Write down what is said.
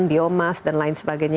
biomas dan lain sebagainya